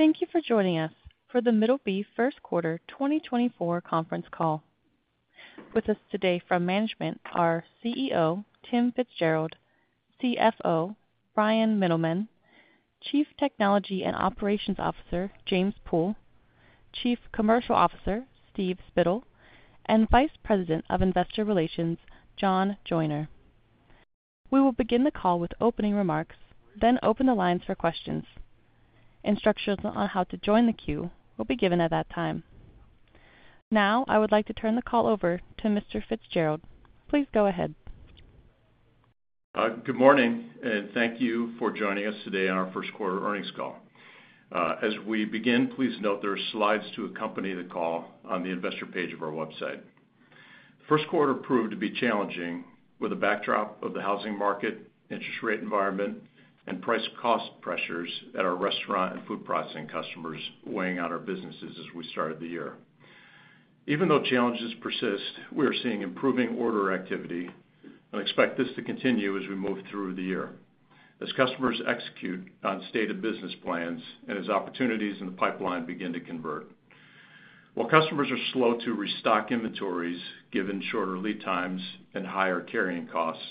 Thank you for joining us for the Middleby First Quarter 2024 Conference Call. With us today from management are CEO, Tim Fitzgerald, CFO, Bryan Mittelman, Chief Technology and Operations Officer, James Pool, Chief Commercial Officer, Steve Spittle, and Vice President of Investor Relations, John Joyner. We will begin the call with opening remarks, then open the lines for questions. Instructions on how to join the queue will be given at that time. Now, I would like to turn the call over to Mr. Fitzgerald. Please go ahead. Good morning, and thank you for joining us today on our First Quarter Earnings Call. As we begin, please note there are slides to accompany the call on the investor page of our website. First quarter proved to be challenging, with a backdrop of the housing market, interest rate environment, and price-cost pressures at our restaurant and food processing customers weighing out our businesses as we started the year. Even though challenges persist, we are seeing improving order activity and expect this to continue as we move through the year, as customers execute on stated business plans and as opportunities in the pipeline begin to convert. While customers are slow to restock inventories, given shorter lead times and higher carrying costs,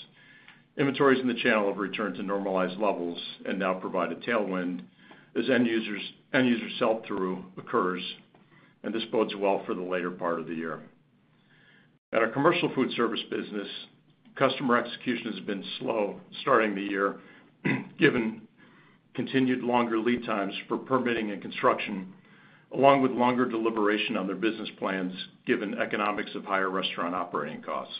inventories in the channel have returned to normalized levels and now provide a tailwind as end user sell-through occurs, and this bodes well for the later part of the year. At our commercial food service business, customer execution has been slow starting the year, given continued longer lead times for permitting and construction, along with longer deliberation on their business plans, given economics of higher restaurant operating costs.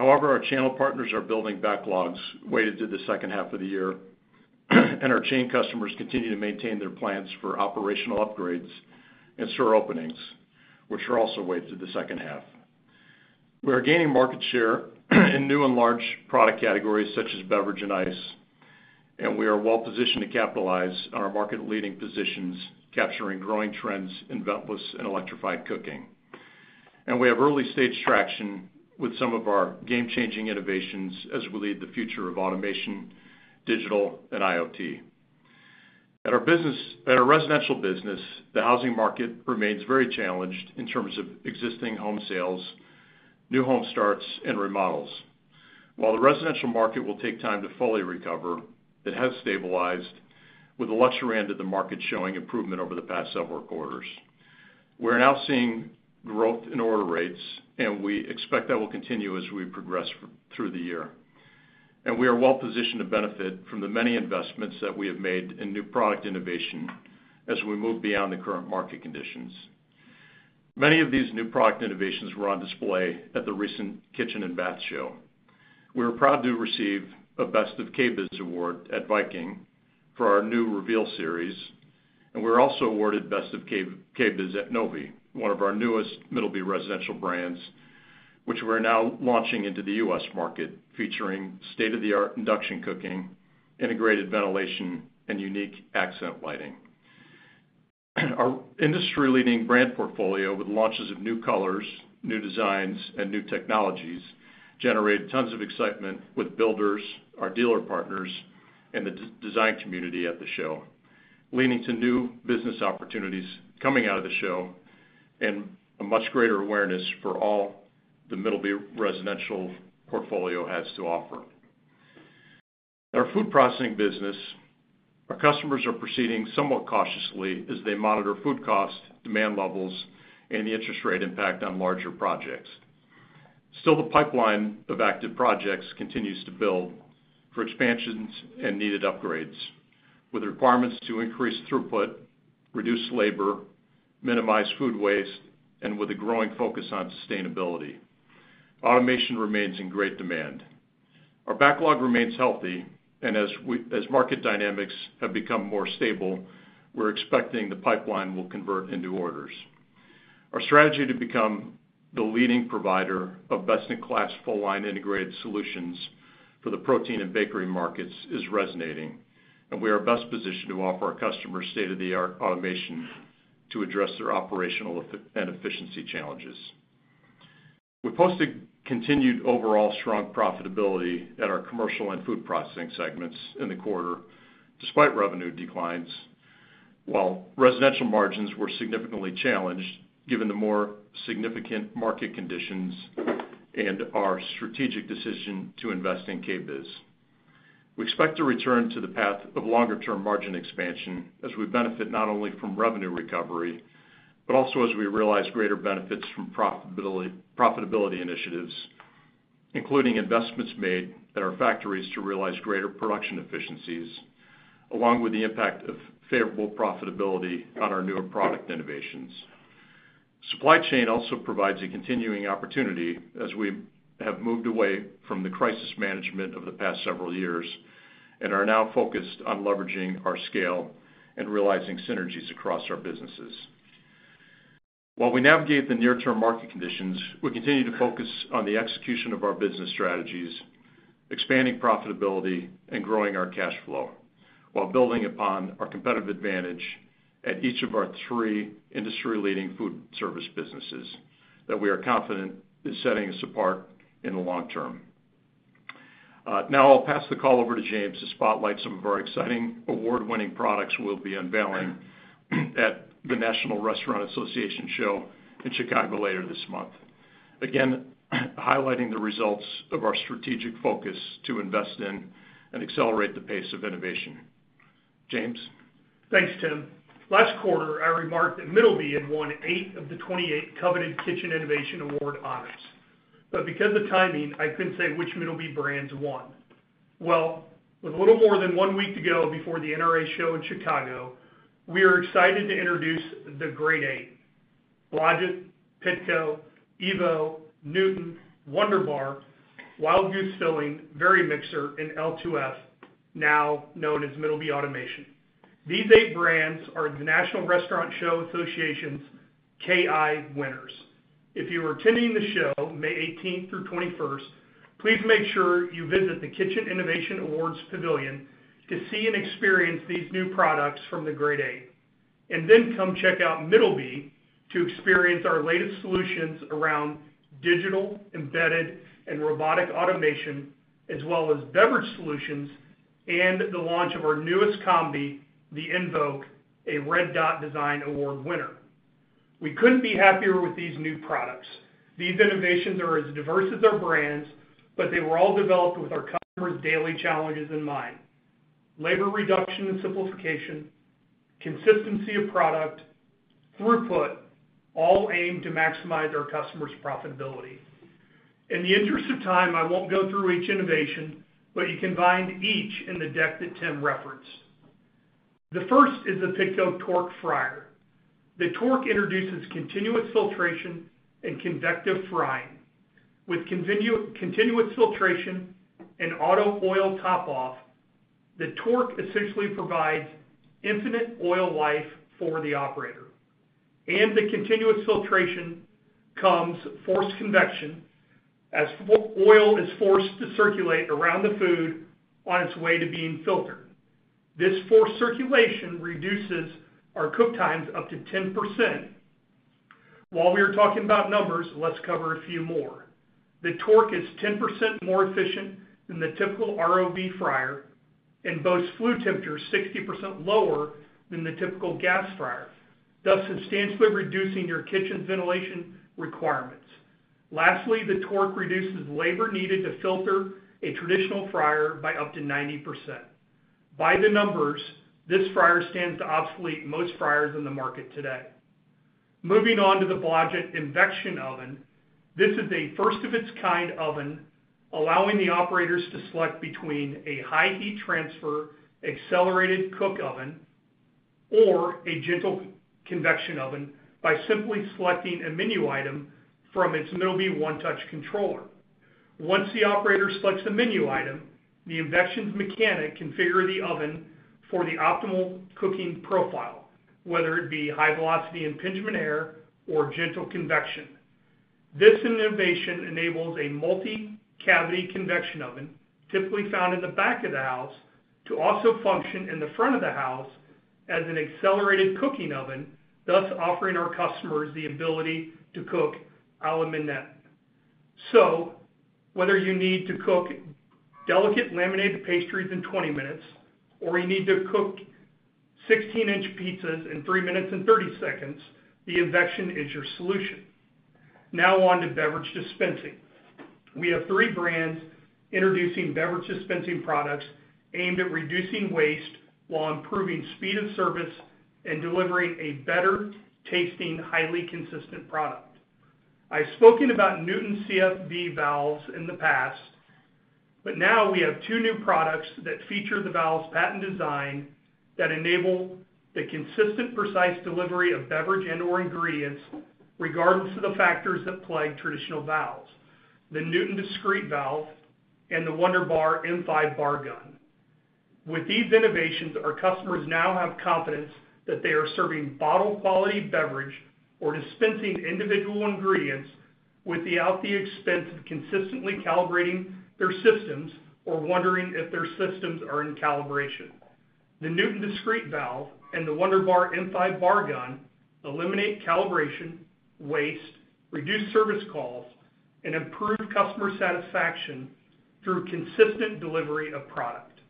However, our channel partners are building backlogs weighted to the second half of the year, and our chain customers continue to maintain their plans for operational upgrades and store openings, which are also weighted to the second half. We are gaining market share in new and large product categories such as beverage and ice, and we are well positioned to capitalize on our market-leading positions, capturing growing trends in ventless and electrified cooking. We have early-stage traction with some of our game-changing innovations as we lead the future of automation, digital, and IoT. At our residential business, the housing market remains very challenged in terms of existing home sales, new home starts, and remodels. While the residential market will take time to fully recover, it has stabilized, with the luxury end of the market showing improvement over the past several quarters. We're now seeing growth in order rates, and we expect that will continue as we progress through the year. We are well positioned to benefit from the many investments that we have made in new product innovation as we move beyond the current market conditions. Many of these new product innovations were on display at the recent Kitchen and Bath Show. We were proud to receive a Best of KBIS Award at Viking for our new RVL series, and we were also awarded Best of KBIS at Novy, one of our newest Middleby Residential brands, which we're now launching into the U.S. market, featuring state-of-the-art induction cooking, integrated ventilation, and unique accent lighting. Our industry-leading brand portfolio, with launches of new colors, new designs, and new technologies, generated tons of excitement with builders, our dealer partners, and the design community at the show, leading to new business opportunities coming out of the show and a much greater awareness for all the Middleby Residential portfolio has to offer. In our food processing business, our customers are proceeding somewhat cautiously as they monitor food costs, demand levels, and the interest rate impact on larger projects. Still, the pipeline of active projects continues to build for expansions and needed upgrades, with requirements to increase throughput, reduce labor, minimize food waste, and with a growing focus on sustainability. Automation remains in great demand. Our backlog remains healthy, and as market dynamics have become more stable, we're expecting the pipeline will convert into orders. Our strategy to become the leading provider of best-in-class, full-line integrated solutions for the protein and bakery markets is resonating, and we are best positioned to offer our customers state-of-the-art automation to address their operational efficiency challenges. We posted continued overall strong profitability at our commercial and food processing segments in the quarter, despite revenue declines, while residential margins were significantly challenged, given the more significant market conditions and our strategic decision to invest in KBIS. We expect to return to the path of longer-term margin expansion as we benefit not only from revenue recovery, but also as we realize greater benefits from profitability, profitability initiatives, including investments made at our factories to realize greater production efficiencies, along with the impact of favorable profitability on our newer product innovations. Supply chain also provides a continuing opportunity as we have moved away from the crisis management of the past several years and are now focused on leveraging our scale and realizing synergies across our businesses. While we navigate the near-term market conditions, we continue to focus on the execution of our business strategies, expanding profitability and growing our cash flow, while building upon our competitive advantage at each of our three industry-leading food service businesses that we are confident is setting us apart in the long term. Now I'll pass the call over to James to spotlight some of our exciting award-winning products we'll be unveiling at the National Restaurant Association Show in Chicago later this month. Again, highlighting the results of our strategic focus to invest in and accelerate the pace of innovation. James? Thanks, Tim. Last quarter, I remarked that Middleby had won eight of the 28 coveted Kitchen Innovations Awards. But because of timing, I couldn't say which Middleby brands won. Well, with a little more than one week to go before the NRA Show in Chicago, we are excited to introduce The Great Eight: Blodgett, Pitco, Evo, Newton, Wunder-Bar, Wild Goose Filling, Varimixer, and L2F, now known as Middleby Automation. These eight brands are the National Restaurant Association's KI winners. If you are attending the show, May 18th through 21st, please make sure you visit the Kitchen Innovations Awards Pavilion to see and experience these new products from The Great Eight, and then come check out Middleby to experience our latest solutions around digital, embedded, and robotic automation, as well as beverage solutions and the launch of our newest combi, the Invoq, a Red Dot Design Award winner. We couldn't be happier with these new products. These innovations are as diverse as our brands, but they were all developed with our customers' daily challenges in mind. Labor reduction and simplification, consistency of product, throughput, all aimed to maximize our customers' profitability. In the interest of time, I won't go through each innovation, but you can find each in the deck that Tim referenced. The first is the Pitco TorQ Fryer. The TorQ introduces continuous filtration and convective frying. With continuous filtration and auto oil top off, the TorQ essentially provides infinite oil life for the operator. And the continuous filtration comes forced convection, as oil is forced to circulate around the food on its way to being filtered. This forced circulation reduces our cook times up to 10%. While we are talking about numbers, let's cover a few more. The TorQ is 10% more efficient than the typical ROV fryer and boasts flue temperatures 60% lower than the typical gas fryer, thus substantially reducing your kitchen ventilation requirements. Lastly, the TorQ reduces labor needed to filter a traditional fryer by up to 90%. By the numbers, this fryer stands to obsolete most fryers in the market today. Moving on to the Blodgett Invectio Oven. This is a first-of-its-kind oven, allowing the operators to select between a high heat transfer, accelerated cook oven or a gentle convection oven by simply selecting a menu item from its Middleby One Touch controller. Once the operator selects a menu item, the Invectio's mechanics can configure the oven for the optimal cooking profile, whether it be high velocity impingement air or gentle convection. This innovation enables a multi-cavity convection oven, typically found in the back of the house, to also function in the front of the house as an accelerated cooking oven, thus offering our customers the ability to cook à la minute. So whether you need to cook delicate laminated pastries in 20 minutes, or you need to cook 16-inch pizzas in three minutes and 30 seconds, the Invectio is your solution. Now on to beverage dispensing. We have three brands introducing beverage dispensing products aimed at reducing waste while improving speed of service and delivering a better-tasting, highly consistent product. I've spoken about Newton CFV valves in the past, but now we have two new products that feature the valve's patented design that enable the consistent, precise delivery of beverage and/or ingredients, regardless of the factors that plague traditional valves: the Newton Discrete Valve and the Wunder-Bar M5 Bar Gun. With these innovations, our customers now have confidence that they are serving bottle-quality beverage or dispensing individual ingredients without the expense of consistently calibrating their systems or wondering if their systems are in calibration. The Newton Discrete Valve and the Wunder-Bar M5 Bar Gun eliminate calibration, waste, reduce service calls, and improve customer satisfaction through consistent delivery of product.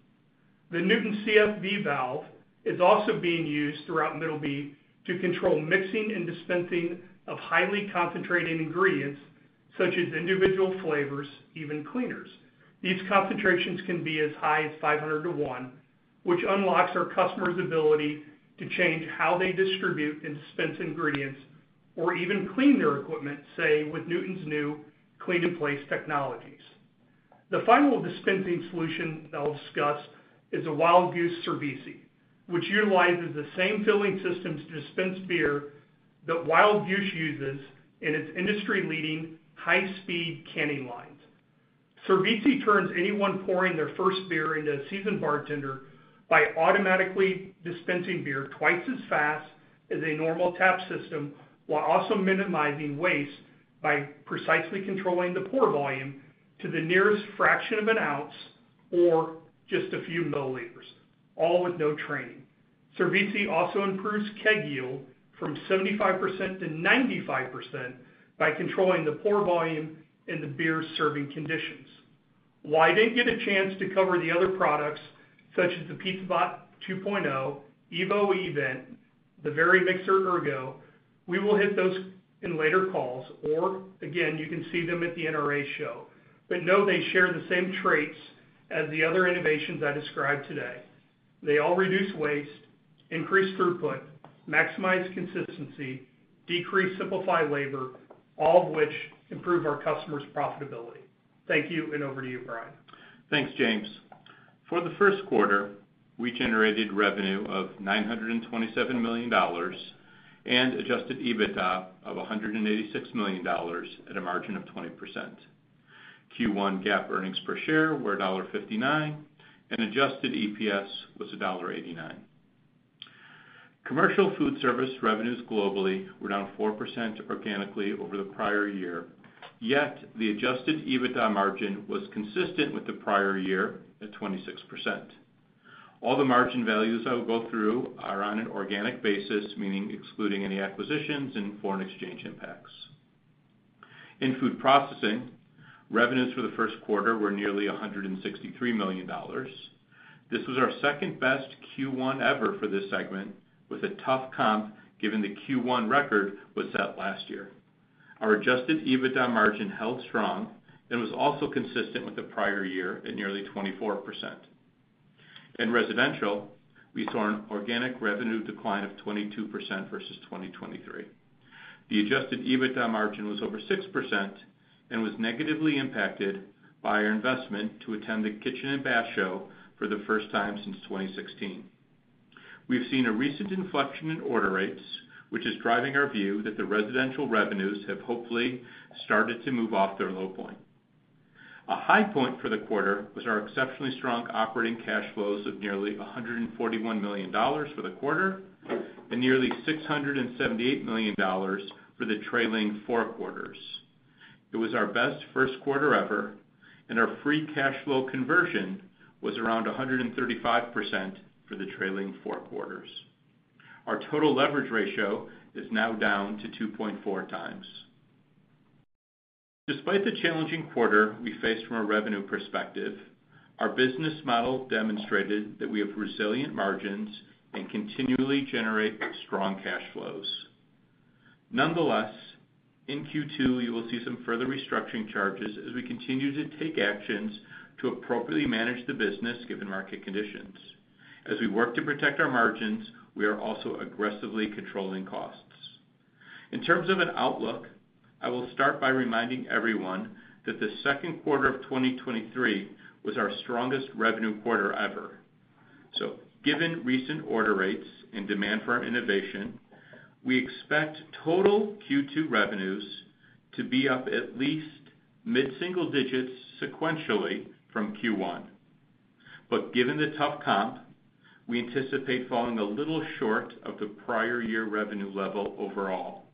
The Newton CFV valve is also being used throughout Middleby to control mixing and dispensing of highly concentrated ingredients, such as individual flavors, even cleaners. These concentrations can be as high as 500-to-1, which unlocks our customers' ability to change how they distribute and dispense ingredients or even clean their equipment, say, with Newton's new clean-in-place technologies. The final dispensing solution that I'll discuss is a Wild Goose Cervis, which utilizes the same filling systems to dispense beer that Wild Goose uses in its industry-leading, high-speed canning lines. Cervis turns anyone pouring their first beer into a seasoned bartender by automatically dispensing beer twice as fast as a normal tap system, while also minimizing waste by precisely controlling the pour volume to the nearest fraction of an ounce or just a few milliliters, all with no training. Cervis also improves keg yield from 75%-95% by controlling the pour volume and the beer serving conditions. While I didn't get a chance to cover the other products, such as the PizzaBot 2.0, Evo EVent, the Varimixer ERGO, we will hit those in later calls, or again, you can see them at the NRA Show. But know they share the same traits as the other innovations I described today. They all reduce waste, increase throughput, maximize consistency, decrease, simplify labor, all of which improve our customers' profitability. Thank you, and over to you, Bryan. Thanks, James. For the first quarter, we generated revenue of $927 million and adjusted EBITDA of $186 million at a margin of 20%. Q1 GAAP earnings per share were $1.59, and adjusted EPS was $1.89. Commercial food service revenues globally were down 4% organically over the prior year, yet the adjusted EBITDA margin was consistent with the prior year at 26%. All the margin values I will go through are on an organic basis, meaning excluding any acquisitions and foreign exchange impacts. In food processing, revenues for the first quarter were nearly $163 million. This was our second-best Q1 ever for this segment, with a tough comp, given the Q1 record was set last year. Our adjusted EBITDA margin held strong and was also consistent with the prior year at nearly 24%. In residential, we saw an organic revenue decline of 22% versus 2023. The adjusted EBITDA margin was over 6% and was negatively impacted by our investment to attend the Kitchen and Bath Show for the first time since 2016. We've seen a recent inflection in order rates, which is driving our view that the residential revenues have hopefully started to move off their low point. A high point for the quarter was our exceptionally strong operating cash flows of nearly $141 million for the quarter, and nearly $678 million for the trailing four quarters. It was our best first quarter ever, and our free cash flow conversion was around 135% for the trailing four quarters. Our total leverage ratio is now down to 2.4 times. Despite the challenging quarter we faced from a revenue perspective, our business model demonstrated that we have resilient margins and continually generate strong cash flows. Nonetheless, in Q2, you will see some further restructuring charges as we continue to take actions to appropriately manage the business, given market conditions. As we work to protect our margins, we are also aggressively controlling costs. In terms of an outlook, I will start by reminding everyone that the second quarter of 2023 was our strongest revenue quarter ever. So given recent order rates and demand for our innovation, we expect total Q2 revenues to be up at least mid-single digits sequentially from Q1. But given the tough comp, we anticipate falling a little short of the prior year revenue level overall.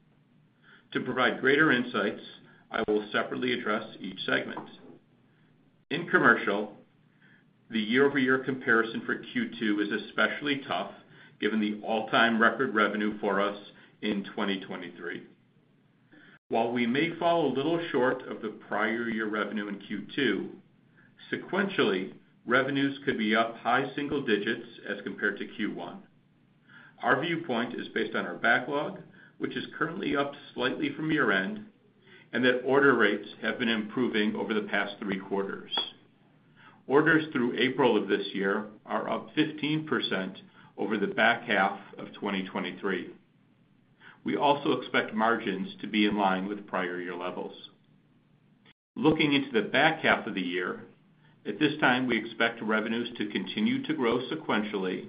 To provide greater insights, I will separately address each segment. In commercial, the year-over-year comparison for Q2 is especially tough, given the all-time record revenue for us in 2023. While we may fall a little short of the prior year revenue in Q2, sequentially, revenues could be up high single digits as compared to Q1. Our viewpoint is based on our backlog, which is currently up slightly from year-end, and that order rates have been improving over the past three quarters. Orders through April of this year are up 15% over the back half of 2023. We also expect margins to be in line with prior year levels. Looking into the back half of the year, at this time, we expect revenues to continue to grow sequentially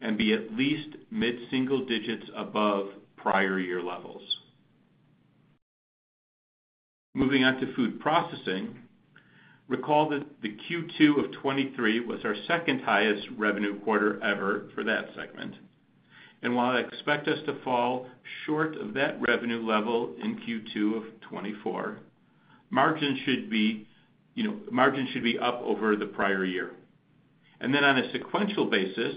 and be at least mid-single digits above prior year levels. Moving on to food processing, recall that the Q2 of 2023 was our second highest revenue quarter ever for that segment. While I expect us to fall short of that revenue level in Q2 of 2024, margins should be, you know, margins should be up over the prior year. And then on a sequential basis,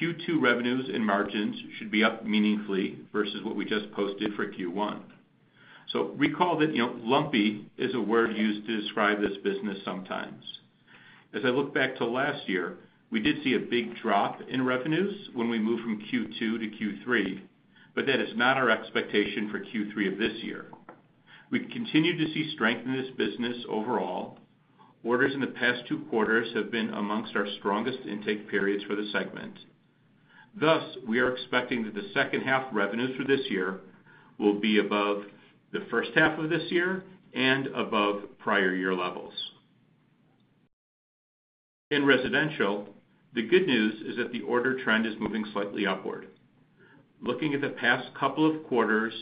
Q2 revenues and margins should be up meaningfully versus what we just posted for Q1. So recall that, you know, lumpy is a word used to describe this business sometimes. As I look back to last year, we did see a big drop in revenues when we moved from Q2 to Q3, but that is not our expectation for Q3 of this year. We continue to see strength in this business overall. Orders in the past two quarters have been amongst our strongest intake periods for the segment. Thus, we are expecting that the second half revenues for this year will be above the first half of this year and above prior year levels. In residential, the good news is that the order trend is moving slightly upward. Looking at the past couple of quarters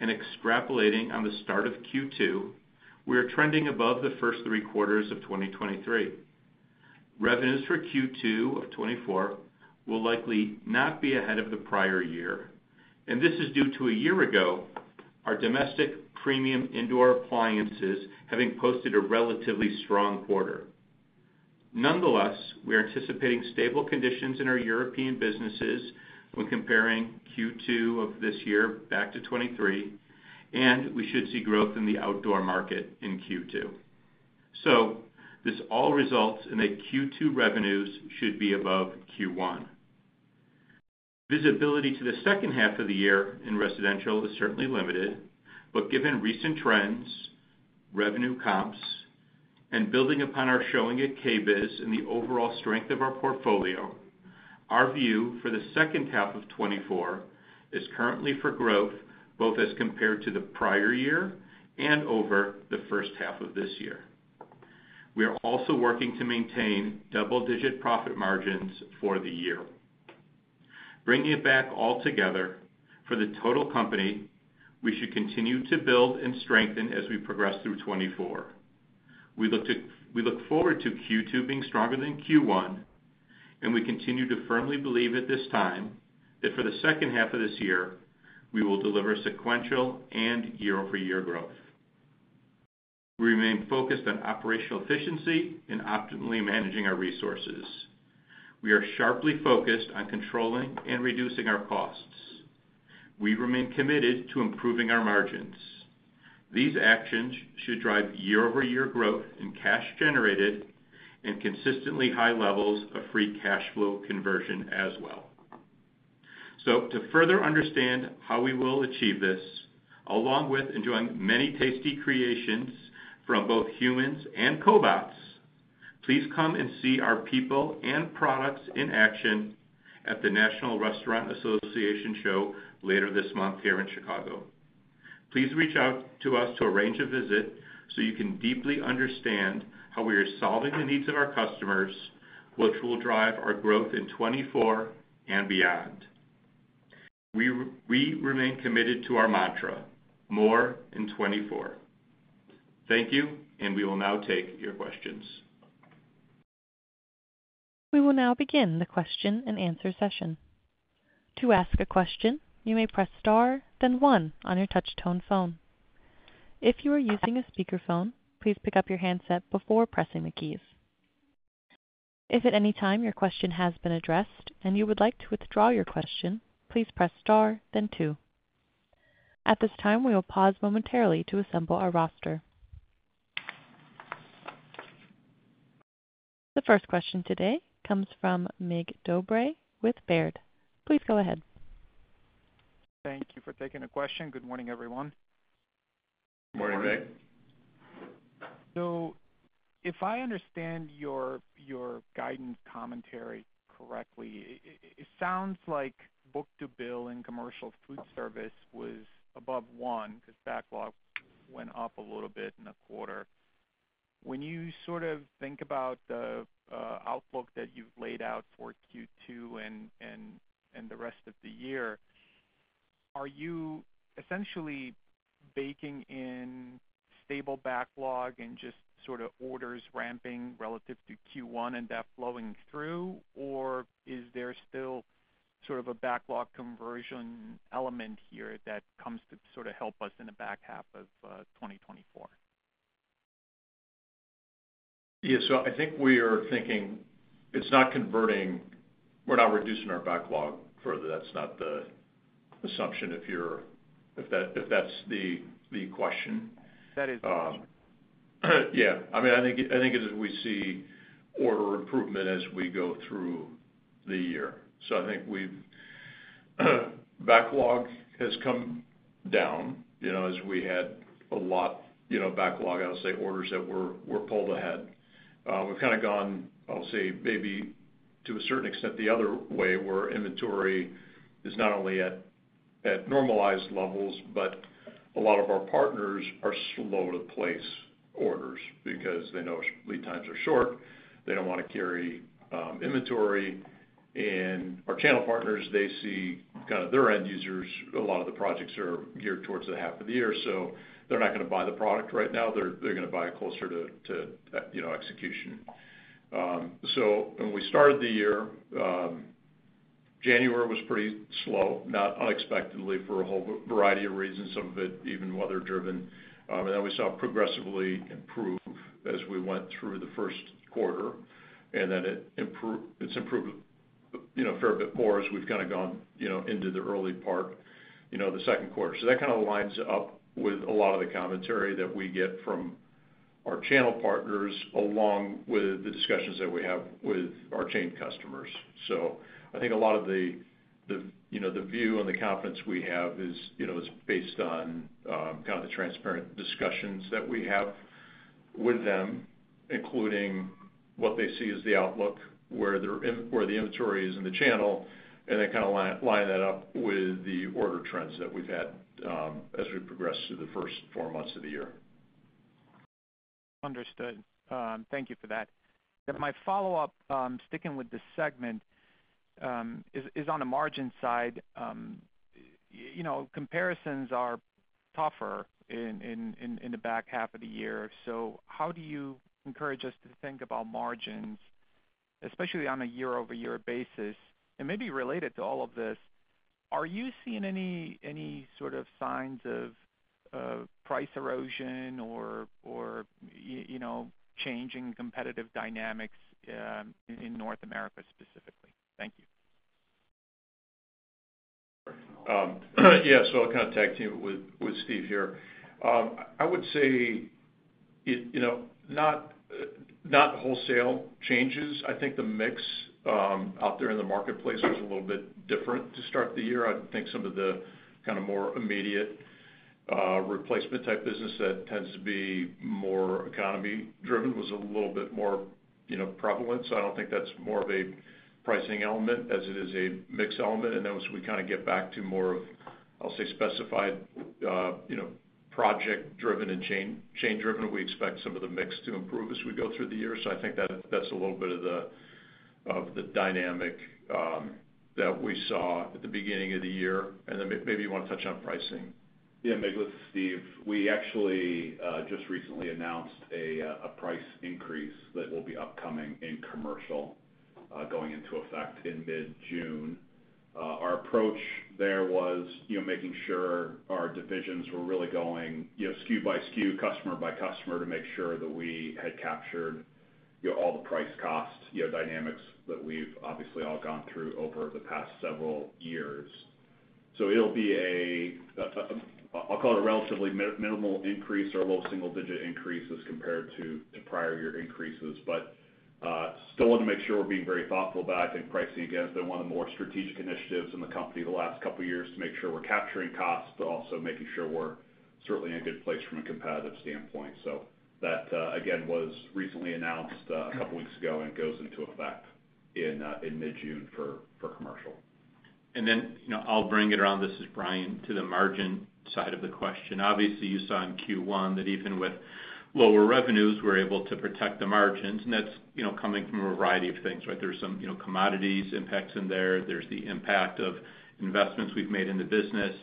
and extrapolating on the start of Q2, we are trending above the first three quarters of 2023. Revenues for Q2 of 2024 will likely not be ahead of the prior year, and this is due to a year ago our domestic premium indoor appliances having posted a relatively strong quarter. Nonetheless, we are anticipating stable conditions in our European businesses when comparing Q2 of this year back to 2023, and we should see growth in the outdoor market in Q2. So this all results in that Q2 revenues should be above Q1. Visibility to the second half of the year in residential is certainly limited, but given recent trends, revenue comps, and building upon our showing at KBIS and the overall strength of our portfolio, our view for the second half of 2024 is currently for growth, both as compared to the prior year and over the first half of this year. We are also working to maintain double-digit profit margins for the year. Bringing it back all together, for the total company, we should continue to build and strengthen as we progress through 2024. We look forward to Q2 being stronger than Q1, and we continue to firmly believe at this time, that for the second half of this year, we will deliver sequential and year-over-year growth. We remain focused on operational efficiency and optimally managing our resources. We are sharply focused on controlling and reducing our costs. We remain committed to improving our margins. These actions should drive year-over-year growth in cash generated and consistently high levels of free cash flow conversion as well. So to further understand how we will achieve this, along with enjoying many tasty creations from both humans and cobots, please come and see our people and products in action at the National Restaurant Association Show later this month here in Chicago. Please reach out to us to arrange a visit so you can deeply understand how we are solving the needs of our customers, which will drive our growth in 2024 and beyond. We remain committed to our mantra, more in 2024. Thank you, and we will now take your questions. We will now begin the question-and-answer session. To ask a question, you may press star, then one on your touch tone phone. If you are using a speakerphone, please pick up your handset before pressing the keys. If at any time your question has been addressed and you would like to withdraw your question, please press star then two. At this time, we will pause momentarily to assemble our roster. The first question today comes from Mig Dobre with Baird. Please go ahead. Thank you for taking the question. Good morning, everyone. Good morning, Mig. So if I understand your guidance commentary correctly, it sounds like book-to-bill in commercial food service was above one, because backlog went up a little bit in the quarter. When you sort of think about the outlook that you've laid out for Q2 and the rest of the year, are you essentially baking in stable backlog and just sort of orders ramping relative to Q1 and that flowing through? Or is there still sort of a backlog conversion element here that comes to sort of help us in the back half of 2024? Yeah, so I think we are thinking it's not converting, we're not reducing our backlog further. That's not the assumption, if that's the question. That is the question. Yeah. I mean, I think, I think as we see order improvement as we go through the year. So I think we've, backlog has come down, you know, as we had a lot, you know, backlog, I'll say, orders that were, were pulled ahead. We've kind of gone, I'll say, maybe to a certain extent, the other way, where inventory is not only at, at normalized levels, but a lot of our partners are slow to place orders because they know lead times are short. They don't want to carry inventory, and our channel partners, they see kind of their end users, a lot of the projects are geared towards the half of the year, so they're not gonna buy the product right now. They're, they're gonna buy it closer to, to you know, execution. So when we started the year, January was pretty slow, not unexpectedly, for a whole variety of reasons, some of it even weather driven. And then we saw it progressively improve as we went through the first quarter, and then it improved, you know, a fair bit more as we've kind of gone, you know, into the early part, you know, the second quarter. So that kind of lines up with a lot of the commentary that we get from our channel partners, along with the discussions that we have with our chain customers. So I think a lot of the you know, the view and the confidence we have is you know, is based on kind of the transparent discussions that we have with them, including what they see as the outlook, where their inventory is in the channel, and then kind of line that up with the order trends that we've had as we progress through the first four months of the year. Understood. Thank you for that. Then my follow-up, sticking with this segment, is on the margin side. You know, comparisons are tougher in the back half of the year. So how do you encourage us to think about margins?... especially on a year-over-year basis, and maybe related to all of this, are you seeing any sort of signs of price erosion or, you know, changing competitive dynamics in North America, specifically? Thank you. Yeah, so I'll kind of tag team with, with Steve here. I would say it, you know, not, not wholesale changes. I think the mix out there in the marketplace was a little bit different to start the year. I think some of the kind of more immediate replacement type business that tends to be more economy-driven was a little bit more, you know, prevalent. So I don't think that's more of a pricing element as it is a mix element. And as we kind of get back to more of, I'll say, specified, you know, project-driven and chain, chain-driven, we expect some of the mix to improve as we go through the year. So I think that's a little bit of the dynamic that we saw at the beginning of the year. And then maybe you want to touch on pricing. Yeah, Mig, it's Steve, we actually just recently announced a price increase that will be upcoming in commercial, going into effect in mid-June. Our approach there was, you know, making sure our divisions were really going, you know, SKU by SKU, customer by customer, to make sure that we had captured, you know, all the price-costs, you know, dynamics that we've obviously all gone through over the past several years. So it'll be a, I'll call it a relatively minimal increase or a low single-digit increase as compared to prior year increases. But still want to make sure we're being very thoughtful back in pricing. Again, it's been one of the more strategic initiatives in the company the last couple of years to make sure we're capturing costs, but also making sure we're certainly in a good place from a competitive standpoint. So that, again, was recently announced, a couple weeks ago, and goes into effect in mid-June for commercial. And then, you know, I'll bring it around, this is Bryan, to the margin side of the question. Obviously, you saw in Q1 that even with lower revenues, we're able to protect the margins, and that's, you know, coming from a variety of things, right? There's some, you know, commodities impacts in there. There's the impact of investments we've made in the business.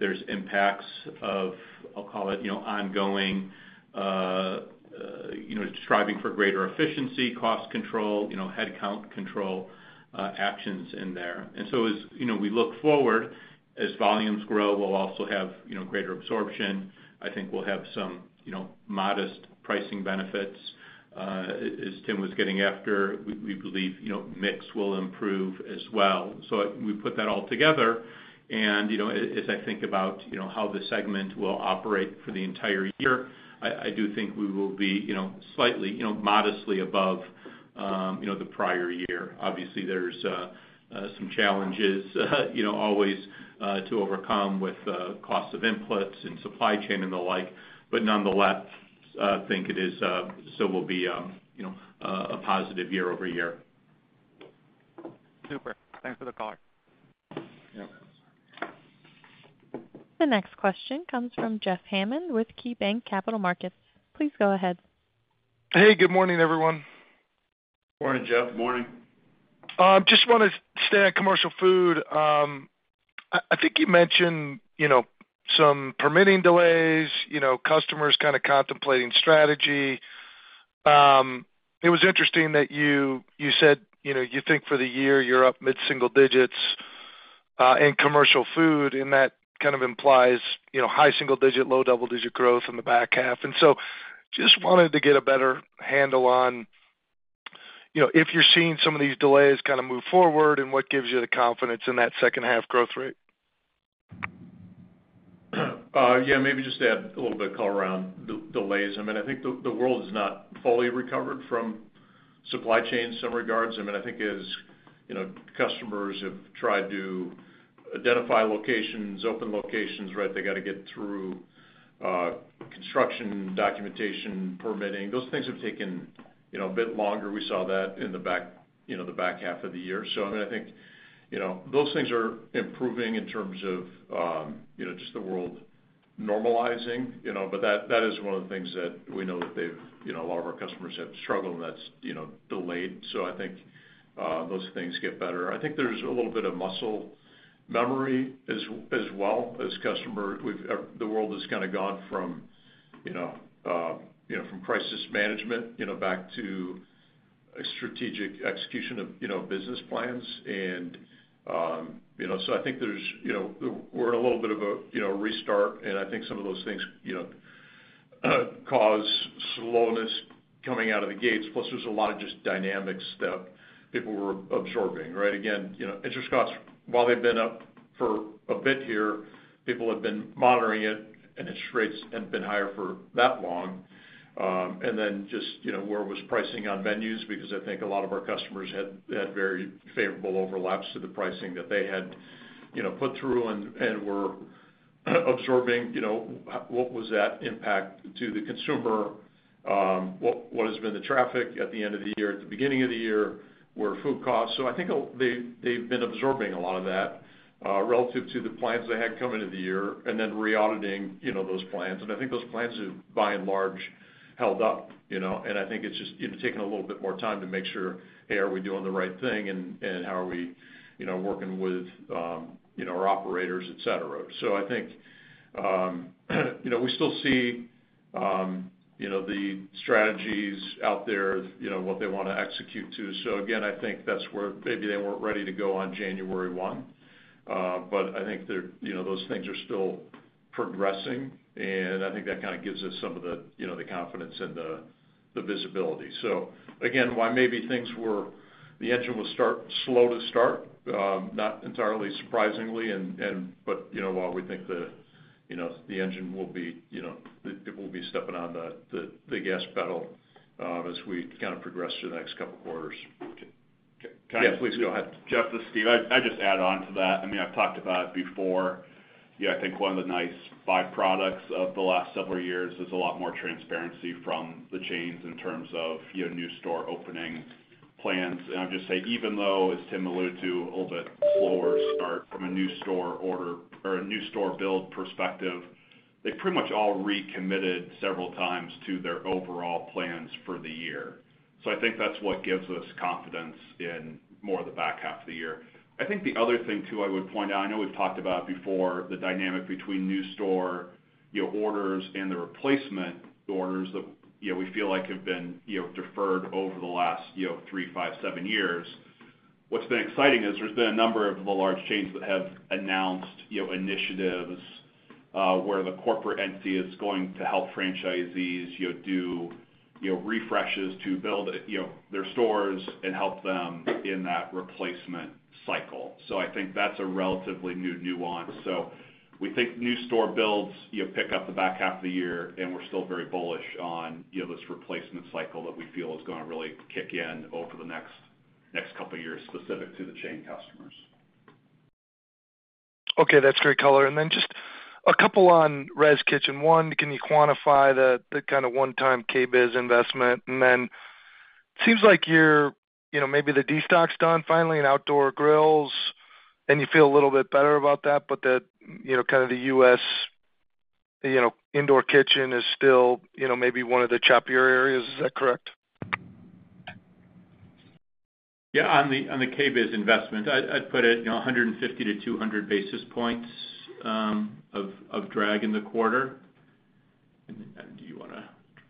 There's impacts of, I'll call it, you know, ongoing, you know, striving for greater efficiency, cost control, you know, headcount control, actions in there. And so as, you know, we look forward, as volumes grow, we'll also have, you know, greater absorption. I think we'll have some, you know, modest pricing benefits. As Tim was getting after, we, we believe, you know, mix will improve as well. So we put that all together, and, you know, as I think about, you know, how the segment will operate for the entire year, I do think we will be, you know, slightly, you know, modestly above, you know, the prior year. Obviously, there's some challenges, you know, always to overcome with cost of inputs and supply chain and the like. But nonetheless, think it is still will be, you know, a positive year over year. Super. Thanks for the color. Yep. The next question comes from Jeff Hammond with KeyBanc Capital Markets. Please go ahead. Hey, good morning, everyone. Morning, Jeff. Morning. Just want to stay on commercial food. I think you mentioned, you know, some permitting delays, you know, customers kind of contemplating strategy. It was interesting that you said, you know, you think for the year, you're up mid-single digits in commercial food, and that kind of implies, you know, high single digit, low double-digit growth in the back half. And so just wanted to get a better handle on, you know, if you're seeing some of these delays kind of move forward, and what gives you the confidence in that second half growth rate? Yeah, maybe just to add a little bit color around the delays. I mean, I think the world is not fully recovered from supply chain in some regards. I mean, I think as, you know, customers have tried to identify locations, open locations, right? They got to get through construction, documentation, permitting. Those things have taken, you know, a bit longer. We saw that in the back, you know, the back half of the year. So, I mean, I think, you know, those things are improving in terms of you know, just the world normalizing, you know. But that is one of the things that we know that they've, you know, a lot of our customers have struggled, and that's, you know, delayed. So I think those things get better. I think there's a little bit of muscle memory as, as well as customer with, the world has kind of gone from, you know, you know, from crisis management, you know, back to a strategic execution of, you know, business plans. And, you know, so I think there's, you know, we're in a little bit of a, you know, restart, and I think some of those things, you know, cause slowness coming out of the gates, plus there's a lot of just dynamics that people were absorbing, right? Again, you know, interest costs, while they've been up for a bit here, people have been monitoring it, and interest rates haven't been higher for that long. And then just, you know, where was pricing on menus, because I think a lot of our customers had very favorable overlaps to the pricing that they had, you know, put through and were absorbing, you know, what was that impact to the consumer? What has been the traffic at the end of the year, at the beginning of the year? Where are food costs? So I think they've been absorbing a lot of that relative to the plans they had coming into the year and then re-auditing, you know, those plans. And I think those plans have, by and large, held up, you know? And I think it's just taking a little bit more time to make sure, Hey, are we doing the right thing? And how are we, you know, working with our operators, etc. I think, you know, we still see...... you know, the strategies out there, you know, what they want to execute to. So again, I think that's where maybe they weren't ready to go on January one. But I think they're, you know, those things are still progressing, and I think that kind of gives us some of the, you know, the confidence and the visibility. So again, why maybe things were—the engine will start slow to start, not entirely surprisingly, and but, you know, while we think the, you know, the engine will be, you know, it will be stepping on the gas pedal, as we kind of progress through the next couple of quarters. Okay. Can I- Yeah, please go ahead. Jeff, this is Steve. I'd just add on to that. I mean, I've talked about it before. Yeah, I think one of the nice byproducts of the last several years is a lot more transparency from the chains in terms of, you know, new store opening plans. And I'll just say, even though, as Tim alluded to, a little bit slower start from a new store order or a new store build perspective, they pretty much all recommitted several times to their overall plans for the year. So I think that's what gives us confidence in more of the back half of the year. I think the other thing, too, I would point out, I know we've talked about before, the dynamic between new store, you know, orders and the replacement orders that, you know, we feel like have been, you know, deferred over the last, you know, three, five, seven years. What's been exciting is there's been a number of the large chains that have announced, you know, initiatives, where the corporate entity is going to help franchisees, you know, do, you know, refreshes to build, you know, their stores and help them in that replacement cycle. So I think that's a relatively new nuance. So we think new store builds, you pick up the back half of the year, and we're still very bullish on, you know, this replacement cycle that we feel is gonna really kick in over the next, next couple of years, specific to the chain customers. Okay, that's great color. And then just a couple on Res Kitchen. One, can you quantify the kind of one-time KBIS investment? And then, seems like you're, you know, maybe the destock's done finally in outdoor grills, and you feel a little bit better about that, but the, you know, kind of the U.S., you know, indoor kitchen is still, you know, maybe one of the choppier areas. Is that correct? Yeah, on the KBIS investment, I'd put it, you know, 150-200 basis points of drag in the quarter. And do you wanna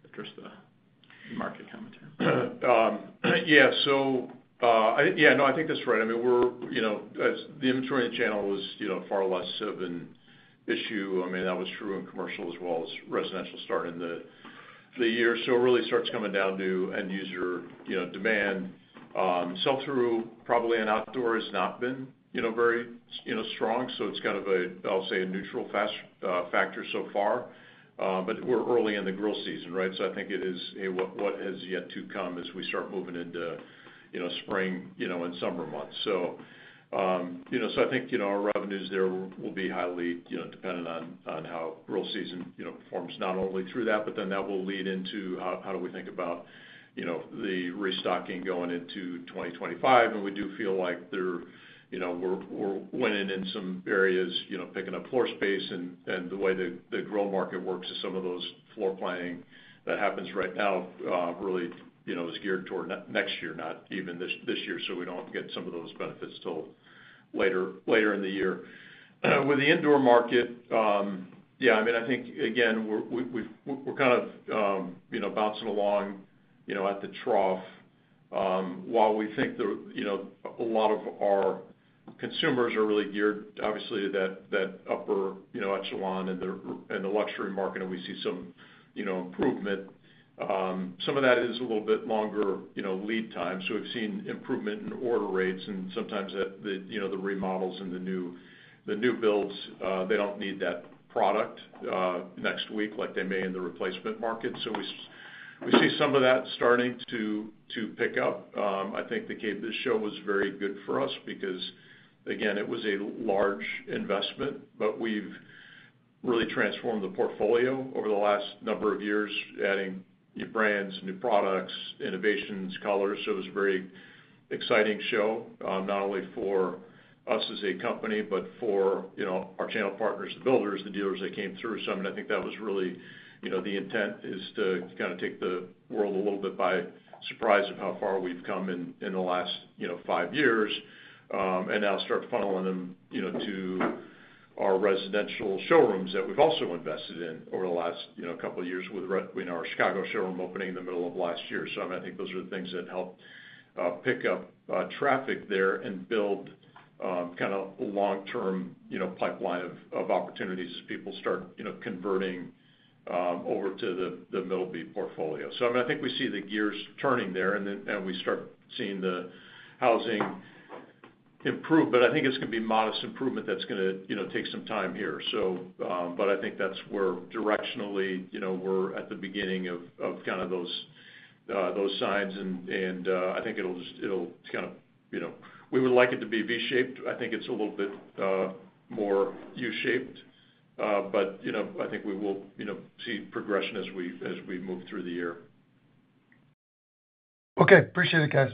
address the market commentary? Yeah, so, yeah, no, I think that's right. I mean, we're, you know, as the inventory in the channel was, you know, far less of an issue. I mean, that was true in commercial as well as residential start in the year. So it really starts coming down to end user, you know, demand. Sell through, probably in outdoor has not been, you know, very, you know, strong, so it's kind of a, I'll say, a neutral factor so far. But we're early in the grill season, right? So I think it is what has yet to come as we start moving into, you know, spring, you know, and summer months. So, you know, so I think, you know, our revenues there will be highly, you know, dependent on, on how grill season, you know, performs not only through that, but then that will lead into how do we think about, you know, the restocking going into 2025. And we do feel like they're, you know, we're winning in some areas, you know, picking up floor space and the way the grill market works is some of those floor planning that happens right now really, you know, is geared toward next year, not even this year. So we don't get some of those benefits till later in the year. With the indoor market, yeah, I mean, I think again, we're kind of, you know, bouncing along, you know, at the trough. While we think the, you know, a lot of our consumers are really geared, obviously, to that, that upper, you know, echelon and the, and the luxury market, and we see some, you know, improvement, some of that is a little bit longer, you know, lead time. So we've seen improvement in order rates and sometimes the, the, you know, the remodels and the new, the new builds, they don't need that product next week, like they may in the replacement market. So we see some of that starting to pick up. I think the KBIS show was very good for us because, again, it was a large investment, but we've really transformed the portfolio over the last number of years, adding new brands, new products, innovations, colors. So it was a very exciting show, not only for us as a company, but for, you know, our channel partners, the builders, the dealers that came through. So I mean, I think that was really, you know, the intent is to kind of take the world a little bit by surprise of how far we've come in, in the last, you know, five years, and now start funneling them, you know, to our residential showrooms that we've also invested in over the last, you know, couple of years with, you know, our Chicago showroom opening in the middle of last year. So I think those are the things that help pick up traffic there and build, kind of long-term, you know, pipeline of, of opportunities as people start, you know, converting over to the, the Middleby portfolio. So, I mean, I think we see the gears turning there, and then we start seeing the housing improve, but I think it's gonna be modest improvement that's gonna, you know, take some time here. So, but I think that's where directionally, you know, we're at the beginning of kind of those signs, and I think it'll just, it'll kind of, you know... We would like it to be V-shaped. I think it's a little bit more U-shaped, but, you know, I think we will, you know, see progression as we move through the year. Okay. Appreciate it, guys.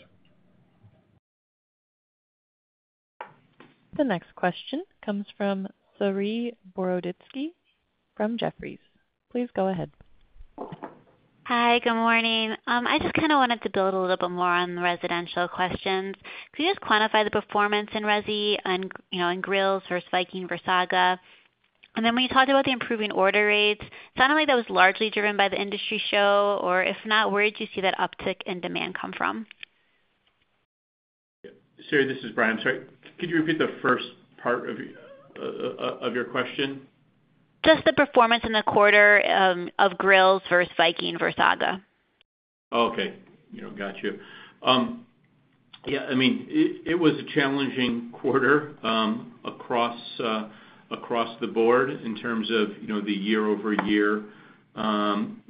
The next question comes from Saree Boroditsky from Jefferies. Please go ahead. Hi, good morning. I just kind of wanted to build a little bit more on the residential questions. Could you just quantify the performance in resi and, you know, in grills versus Viking versus AGA? And then when you talked about the improving order rates, it sounded like that was largely driven by the industry show, or if not, where did you see that uptick in demand come from? Sorry, this is Bryan. Sorry, could you repeat the first part of your question? Just the performance in the quarter, of grills versus Viking versus AGA. Okay. You know, got you. Yeah, I mean, it was a challenging quarter, across the board in terms of, you know, the year-over-year, you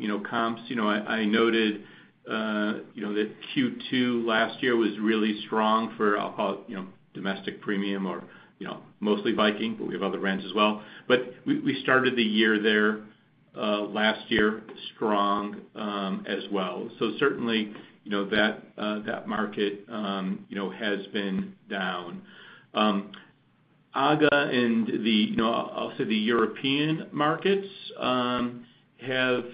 know, comps. You know, I noted, you know, that Q2 last year was really strong for, I'll call, you know, domestic premium or, you know, mostly Viking, but we have other brands as well. But we started the year there, last year strong, as well. So certainly, you know, that market, you know, has been down. AGA and the, you know, also the European markets, have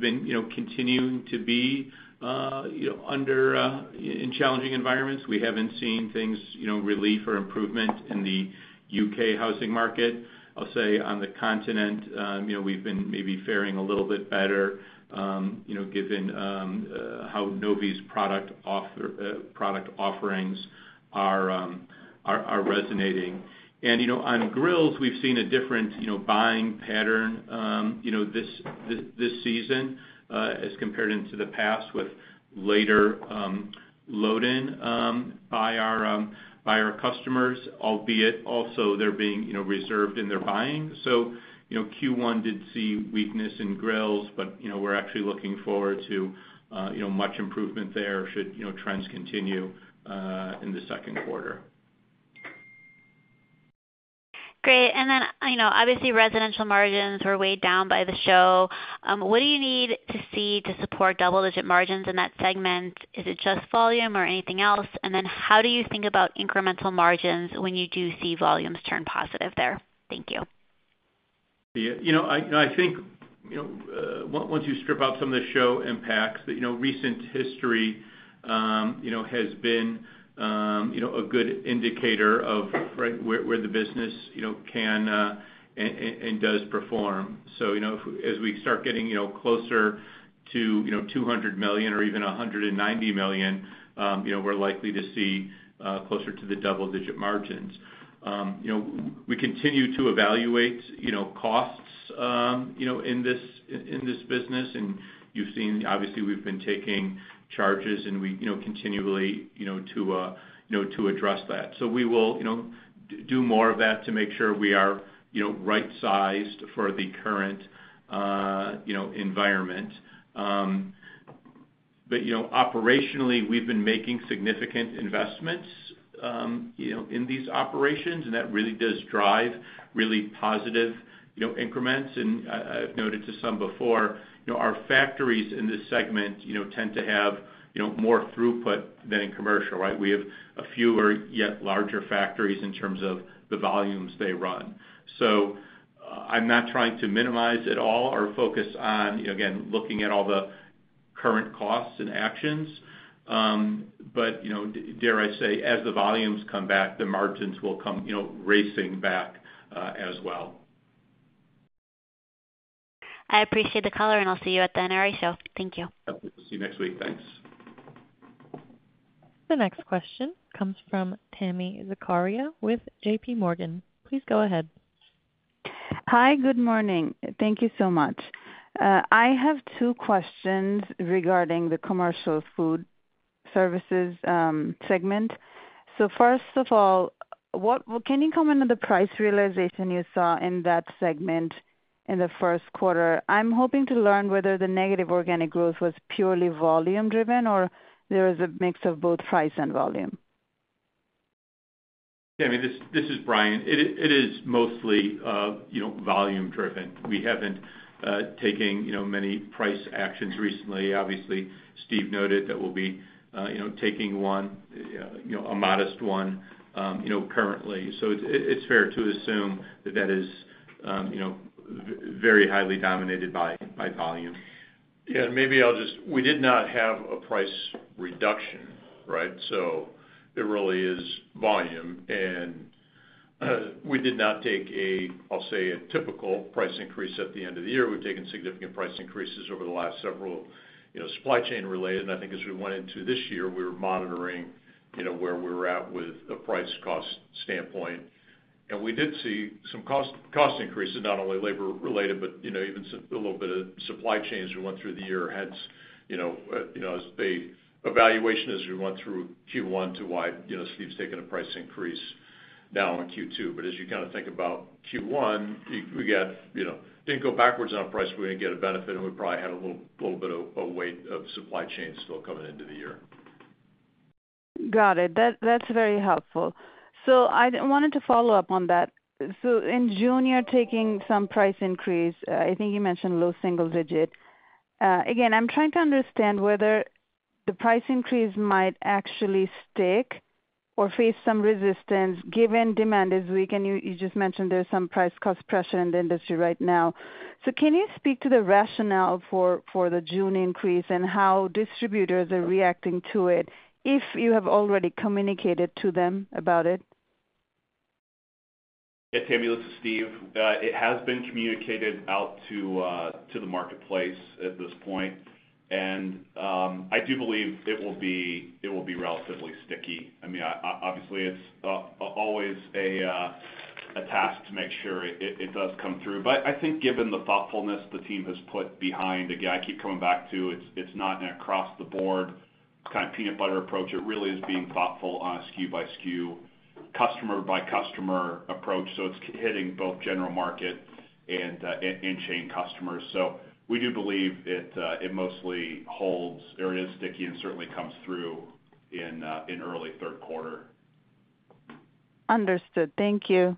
been, you know, continuing to be, you know, under in challenging environments. We haven't seen things, you know, relief or improvement in the U.K. housing market. I'll say on the continent, you know, we've been maybe faring a little bit better, you know, given how Novy's product offerings are, are resonating. And, you know, on grills, we've seen a different, you know, buying pattern, you know, this season, as compared into the past with later load-in by our customers, albeit also they're being, you know, reserved in their buying. So, you know, Q1 did see weakness in grills, but, you know, we're actually looking forward to much improvement there should trends continue in the second quarter. Great. And then, I know, obviously, residential margins were weighed down by the show. What do you need to see to support double-digit margins in that segment? Is it just volume or anything else? And then how do you think about incremental margins when you do see volumes turn positive there? Thank you. Yeah, you know, I think, you know, once you strip out some of the show impacts, that, you know, recent history, you know, has been, you know, a good indicator of right where, where the business, you know, can, and does perform. So, you know, as we start getting, you know, closer to, you know, $200 million or even $190 million, you know, we're likely to see, closer to the double-digit margins. You know, we continue to evaluate, you know, costs, you know, in this, in this business, and you've seen obviously, we've been taking charges, and we, you know, continually, you know, to, you know, to address that. So we will, you know, do more of that to make sure we are, you know, right-sized for the current, you know, environment. But, you know, operationally, we've been making significant investments, you know, in these operations, and that really does drive really positive, you know, increments. And I, I've noted to some before, you know, our factories in this segment, you know, tend to have, you know, more throughput than in commercial, right? We have a fewer, yet larger factories in terms of the volumes they run. So, I'm not trying to minimize at all our focus on, again, looking at all the current costs and actions, but, you know, dare I say, as the volumes come back, the margins will come, you know, racing back, as well. I appreciate the color, and I'll see you at the NRA show. Thank you. See you next week. Thanks. The next question comes from Tami Zakaria with J.P. Morgan. Please go ahead. Hi, good morning. Thank you so much. I have two questions regarding the commercial food services segment. So first of all, can you comment on the price realization you saw in that segment in the first quarter? I'm hoping to learn whether the negative organic growth was purely volume driven or there is a mix of both price and volume. Tami, this is Bryan. It is, it is mostly, you know, volume driven. We haven't taken, you know, many price actions recently. Obviously, Steve noted that we'll be, you know, taking one, you know, a modest one, currently. So it's, it's fair to assume that that is, you know, very highly dominated by, by volume. Yeah, maybe I'll just... We did not have a price reduction, right? So it really is volume, and we did not take a, I'll say, a typical price increase at the end of the year. We've taken significant price increases over the last several, you know, supply chain related, and I think as we went into this year, we were monitoring, you know, where we were at with the price-cost standpoint. And we did see some cost increases, not only labor related, but, you know, even a little bit of supply chains we went through the year had, you know, as the evaluation, as we went through Q1 to why, you know, Steve's taken a price increase now in Q2. But as you kind of think about Q1, we got, you know, didn't go backwards on price. We didn't get a benefit, and we probably had a little bit of weight of supply chain still coming into the year. Got it. That, that's very helpful. So I wanted to follow up on that. So in June, you're taking some price increase. I think you mentioned low single digit. Again, I'm trying to understand whether the price increase might actually stick?... or face some resistance, given demand is weak, and you just mentioned there's some price-cost pressure in the industry right now. So can you speak to the rationale for the June increase and how distributors are reacting to it, if you have already communicated to them about it? Yeah, Tami, this is Steve. It has been communicated out to the marketplace at this point. I do believe it will be, it will be relatively sticky. I mean, obviously, it's always a task to make sure it does come through. But I think given the thoughtfulness the team has put behind, again, I keep coming back to, it's not an across-the-board kind of peanut butter approach. It really is being thoughtful on a SKU by SKU, customer by customer approach, so it's hitting both general market and chain customers. So we do believe it mostly holds or is sticky and certainly comes through in early third quarter. Understood. Thank you.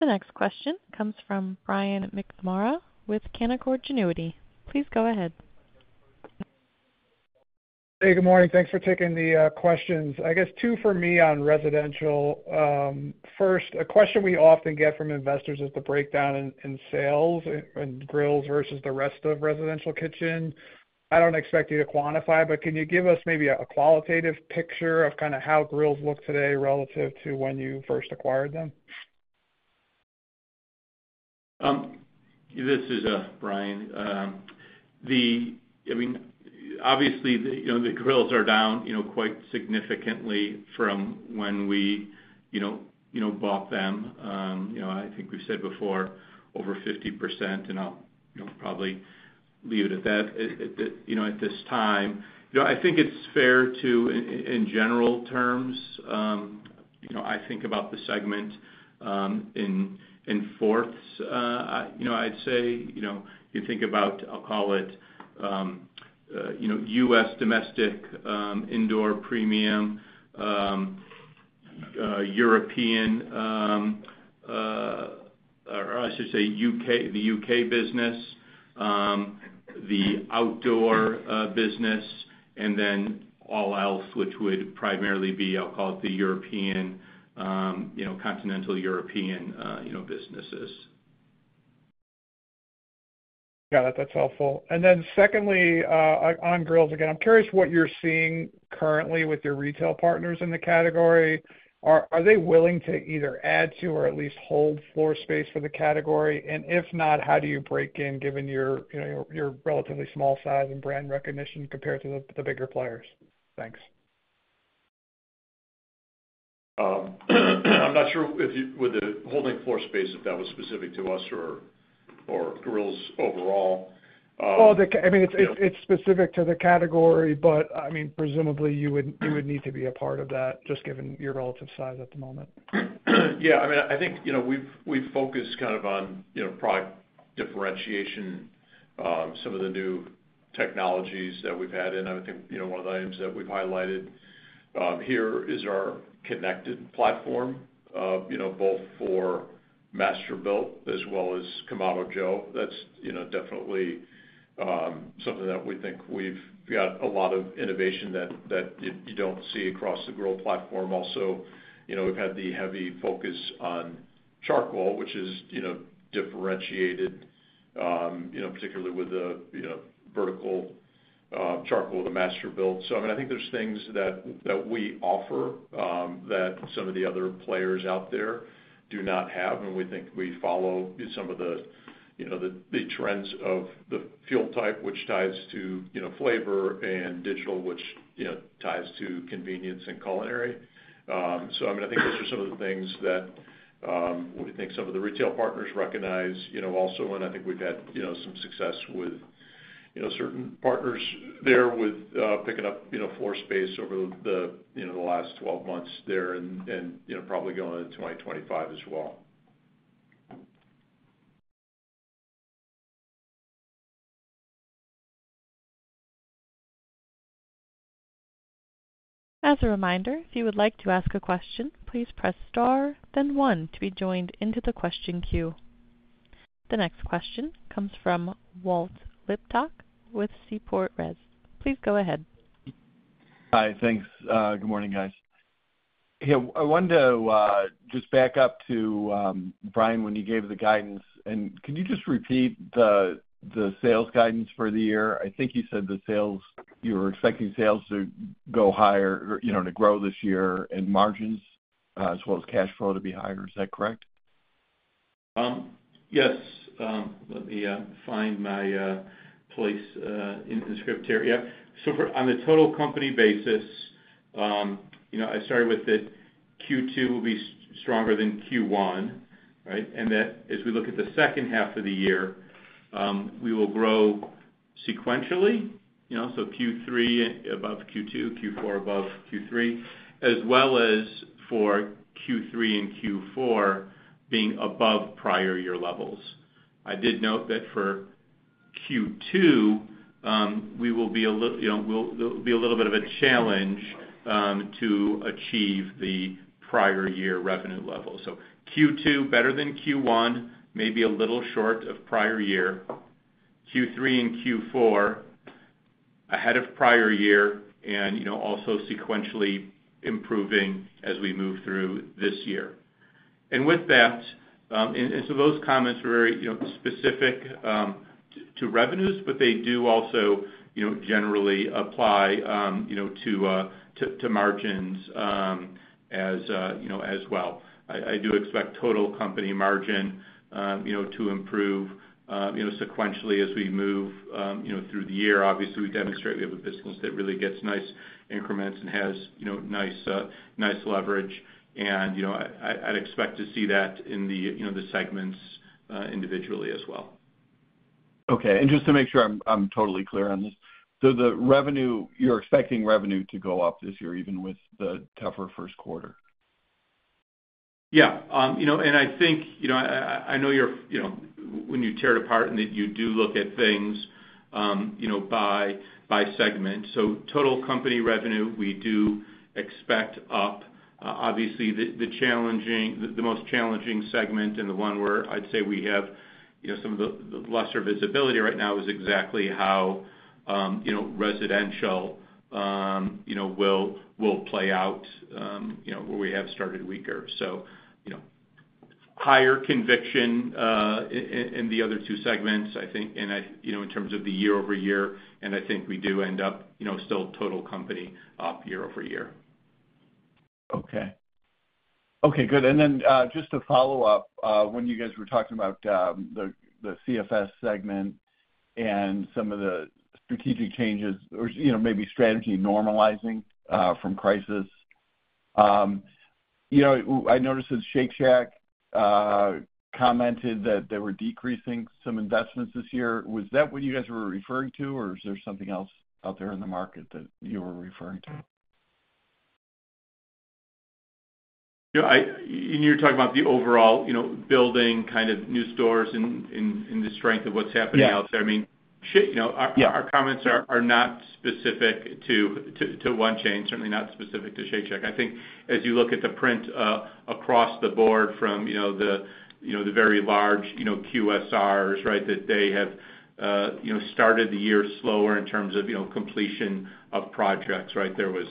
The next question comes from Brian McNamara with Canaccord Genuity. Please go ahead. Hey, good morning. Thanks for taking the questions. I guess two for me on residential. First, a question we often get from investors is the breakdown in sales in grills versus the rest of residential kitchen. I don't expect you to quantify, but can you give us maybe a qualitative picture of kind of how grills look today relative to when you first acquired them? This is Bryan. I mean, obviously, the grills are down, you know, quite significantly from when we bought them. You know, I think we've said before, over 50%, and I'll, you know, probably leave it at that, you know, at this time. You know, I think it's fair to in general terms, you know, I think about the segment in fourths. You know, I'd say, you know, you think about, I'll call it, you know, U.S. domestic, indoor premium, European, or I should say U.K., the U.K. business, the outdoor business, and then all else, which would primarily be, I'll call it, the European, you know, continental European businesses. Got it. That's helpful. Then secondly, on grills again. I'm curious what you're seeing currently with your retail partners in the category. Are they willing to either add to or at least hold floor space for the category? And if not, how do you break in, given your, you know, your relatively small size and brand recognition compared to the bigger players? Thanks. I'm not sure if you, with the holding floor space, if that was specific to us or grills overall. Well, I mean, it's specific to the category, but, I mean, presumably, you would need to be a part of that, just given your relative size at the moment. Yeah, I mean, I think, you know, we've, we've focused kind of on, you know, product differentiation, some of the new technologies that we've had, and I think, you know, one of the items that we've highlighted here is our connected platform, you know, both for Masterbuilt as well as Kamado Joe. That's, you know, definitely something that we think we've got a lot of innovation that, that you, you don't see across the grill platform. Also, you know, we've had the heavy focus on charcoal, which is, you know, differentiated, you know, particularly with the, you know, vertical charcoal, the Masterbuilt. So I mean, I think there's things that, that we offer, that some of the other players out there do not have, and we think we follow some of the, you know, the, the trends of the fuel type, which ties to, you know, flavor and digital, which, you know, ties to convenience and culinary. So I mean, I think those are some of the things that, we think some of the retail partners recognize, you know, also, and I think we've had, you know, some success with, you know, certain partners there with, picking up, you know, floor space over the, the, you know, the last 12 months there and, and, you know, probably going into 2025 as well. As a reminder, if you would like to ask a question, please press star then one to be joined into the question queue. The next question comes from Walt Liptak with Seaport Research Partners. Please go ahead. Hi, thanks. Good morning, guys. Yeah, I wanted to just back up to Bryan, when you gave the guidance. Can you just repeat the sales guidance for the year? I think you said the sales, you were expecting sales to go higher, or, you know, to grow this year, and margins, as well as cash flow to be higher. Is that correct? So, on a total company basis, you know, I started with that Q2 will be stronger than Q1, right? And that as we look at the second half of the year, we will grow sequentially, you know, so Q3 above Q2, Q4 above Q3, as well as for Q3 and Q4 being above prior year levels. I did note that for Q2, you know, will be a little bit of a challenge to achieve the prior year revenue level. So Q2, better than Q1, maybe a little short of prior year. Q3 and Q4 ahead of prior year and, you know, also sequentially improving as we move through this year. And with that, so those comments were very, you know, specific to revenues, but they do also, you know, generally apply, you know, to margins, as, you know, as well. I do expect total company margin, you know, to improve, you know, sequentially as we move, you know, through the year. Obviously, we demonstrate we have a business that really gets nice increments and has, you know, nice leverage. And, you know, I'd expect to see that in the, you know, the segments, individually as well. Okay. And just to make sure I'm, I'm totally clear on this, so the revenue, you're expecting revenue to go up this year, even with the tougher first quarter? Yeah. You know, and I think, you know, I know you're, you know, when you tear it apart and that you do look at things, you know, by segment. So total company revenue, we do expect up. Obviously, the challenging—the most challenging segment and the one where I'd say we have, you know, some of the lesser visibility right now, is exactly how, you know, residential, you know, will play out, you know, where we have started weaker. So, you know, higher conviction in the other two segments, I think, and I, you know, in terms of the year-over-year, and I think we do end up, you know, still total company up year-over-year. Okay. Okay, good. And then, just to follow up, when you guys were talking about the CFS segment and some of the strategic changes or, you know, maybe strategy normalizing from crisis. You know, I noticed that Shake Shack commented that they were decreasing some investments this year. Was that what you guys were referring to, or is there something else out there in the market that you were referring to? You know, and you're talking about the overall, you know, building kind of new stores and the strength of what's happening out there? Yeah. I mean, you know, our Yeah.... our comments are not specific to one chain, certainly not specific to Shake Shack. I think as you look at the print across the board from, you know, the, you know, the very large, you know, QSRs, right? That they have you know started the year slower in terms of, you know, completion of projects, right? There was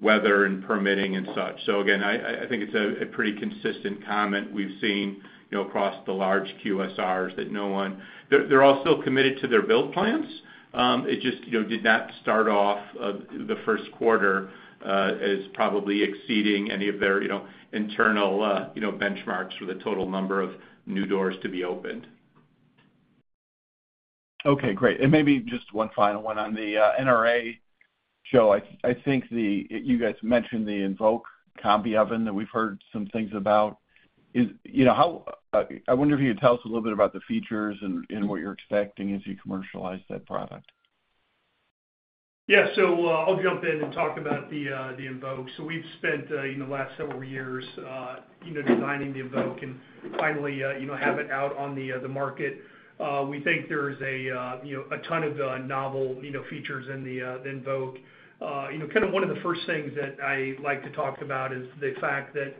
weather and permitting and such. So again, I think it's a pretty consistent comment we've seen, you know, across the large QSRs, that no one... They're all still committed to their build plans. It just, you know, did not start off the first quarter as probably exceeding any of their, you know, internal, you know, benchmarks for the total number of new doors to be opened. Okay, great. And maybe just one final one on the NRA Show. I think you guys mentioned the Invoq combi oven that we've heard some things about. You know, how I wonder if you could tell us a little bit about the features and what you're expecting as you commercialize that product. Yeah. So, I'll jump in and talk about the Invoq. So we've spent, you know, the last several years, you know, designing the Invoq, and finally, you know, have it out on the, the market. We think there's a, you know, a ton of, novel, you know, features in the, the Invoq. You know, kind of one of the first things that I like to talk about is the fact that,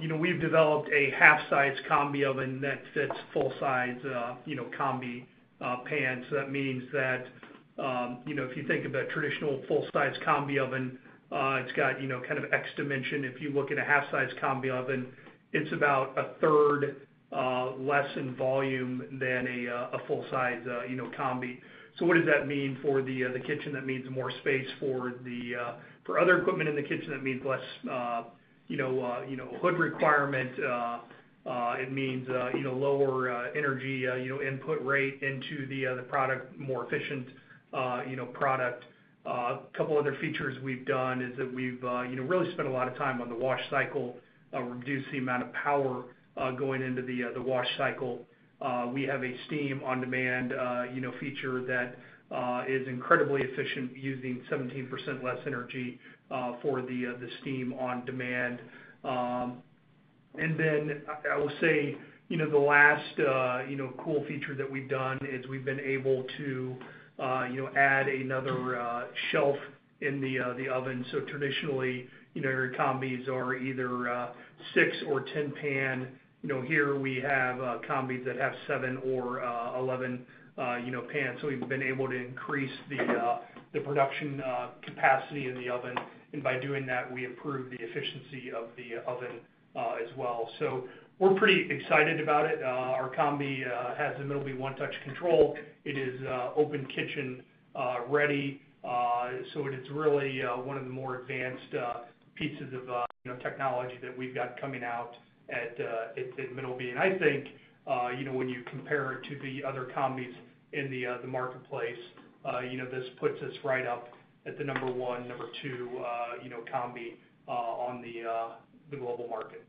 you know, we've developed a half-size combi oven that fits full-size, you know, combi, pans. So that means that, you know, if you think of a traditional full-size combi oven, it's got, you know, kind of X dimension. If you look at a half-size combi oven, it's about a third less in volume than a full-size, you know, combi. So what does that mean for the kitchen? That means more space for other equipment in the kitchen. That means less, you know, hood requirement. It means, you know, lower energy input rate into the product. More efficient, you know, product. A couple other features we've done is that we've, you know, really spent a lot of time on the wash cycle. Reduced the amount of power going into the wash cycle. We have a steam-on-demand, you know, feature that is incredibly efficient, using 17% less energy for the steam on demand. And then I will say, you know, the last cool feature that we've done is we've been able to, you know, add another shelf in the oven. So traditionally, you know, your combis are either six or 10 pan. You know, here we have combis that have seven or 11, you know, pans. So we've been able to increase the production capacity in the oven, and by doing that, we improve the efficiency of the oven as well. So we're pretty excited about it. Our combi has the Middleby One-Touch control. It is open kitchen ready. So it is really one of the more advanced pieces of, you know, technology that we've got coming out at Middleby. I think, you know, when you compare it to the other combis in the marketplace, you know, this puts us right up at the number 1, number 2, you know, combi on the global market.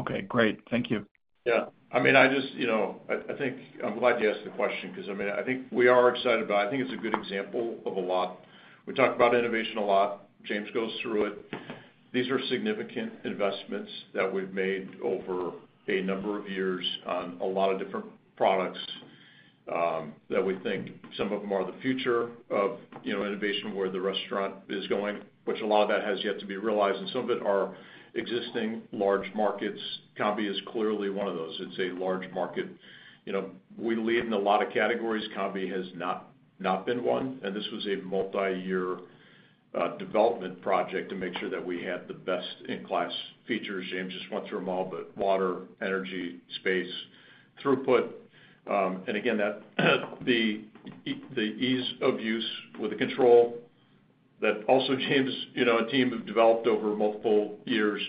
Okay, great. Thank you. Yeah. I mean, I just, you know, I think I'm glad you asked the question 'cause, I mean, I think we are excited about it. I think it's a good example of a lot. We talk about innovation a lot. James goes through it. These are significant investments that we've made over a number of years on a lot of different products.... that we think some of them are the future of, you know, innovation, where the restaurant is going, which a lot of that has yet to be realized, and some of it are existing large markets. Combi is clearly one of those. It's a large market. You know, we lead in a lot of categories. Combi has not, not been one, and this was a multi-year development project to make sure that we had the best-in-class features. James just went through them all, but water, energy, space, throughput, and again, that, the ease of use with the control that also James, you know, a team have developed over multiple years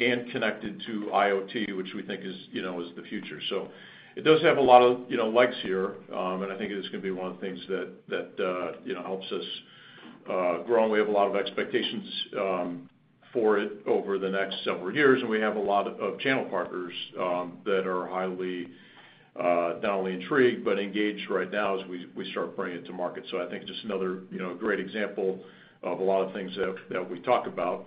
and connected to IoT, which we think is, you know, is the future. So it does have a lot of, you know, likes here, and I think it is gonna be one of the things that, that, helps us, grow. And we have a lot of expectations, for it over the next several years, and we have a lot of channel partners, that are highly, not only intrigued, but engaged right now as we, we start bringing it to market. So I think just another, you know, great example of a lot of things that, that we talk about.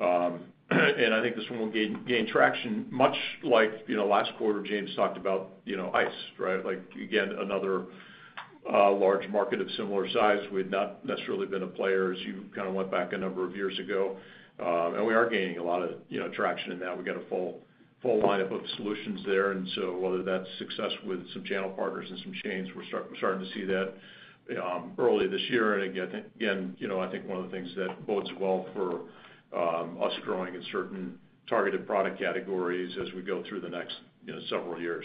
And I think this one will gain, gain traction, much like, you know, last quarter, James talked about, you know, ice, right? Like, again, another, large market of similar size. We'd not necessarily been a player, as you kind of went back a number of years ago. And we are gaining a lot of, you know, traction in that. We've got a full lineup of solutions there, and so whether that's success with some channel partners and some chains, we're starting to see that early this year. And again, I think, again, you know, I think one of the things that bodes well for us growing in certain targeted product categories as we go through the next, you know, several years,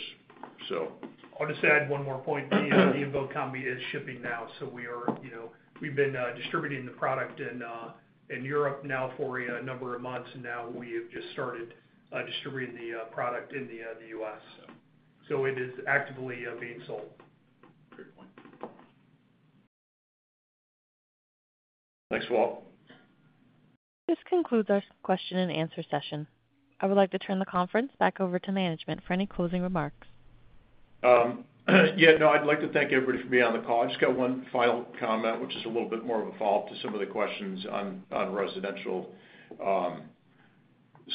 so. I'll just add one more point. The, the Invoq combi is shipping now, so we are, you know, we've been distributing the product in, in Europe now for a number of months, and now we have just started distributing the, the product in the, the U.S. So it is actively being sold. Great point. Thanks, Walt. This concludes our question and answer session. I would like to turn the conference back over to management for any closing remarks. Yeah, no, I'd like to thank everybody for being on the call. I've just got one final comment, which is a little bit more of a follow-up to some of the questions on residential.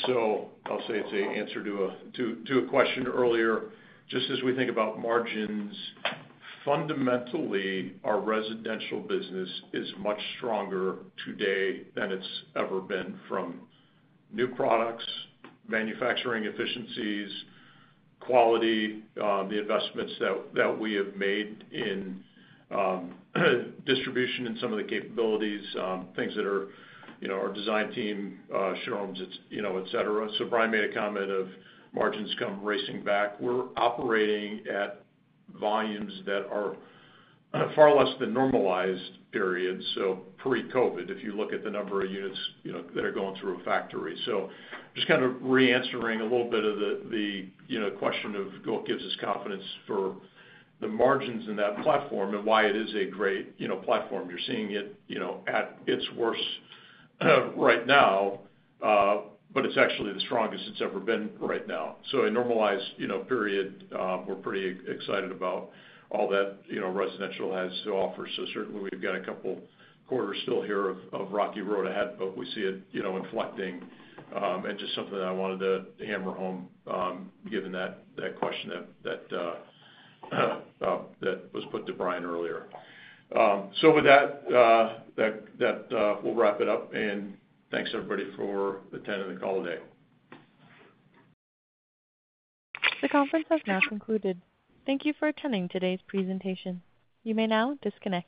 So I'll say it's an answer to a question earlier. Just as we think about margins, fundamentally, our residential business is much stronger today than it's ever been, from new products, manufacturing efficiencies, quality, the investments that we have made in distribution and some of the capabilities, things that are, you know, our design team, showrooms, it's, you know, et cetera. So Bryan made a comment of margins come racing back. We're operating at volumes that are far less than normalized periods, so pre-COVID, if you look at the number of units, you know, that are going through a factory. So just kind of reanswering a little bit of the, you know, question of what gives us confidence for the margins in that platform and why it is a great, you know, platform. You're seeing it, you know, at its worst right now, but it's actually the strongest it's ever been right now. So a normalized, you know, period, we're pretty excited about all that, you know, residential has to offer. So certainly, we've got a couple quarters still here of rocky road ahead, but we see it, you know, inflecting, and just something that I wanted to hammer home, given that question that was put to Bryan earlier. So with that, we'll wrap it up, and thanks, everybody, for attending the call today. The conference has now concluded. Thank you for attending today's presentation. You may now disconnect.